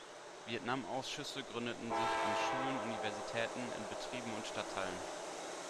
Vietnam-Ausschüsse gründeten sich an Schulen, Universitäten, in Betrieben und Stadtteilen.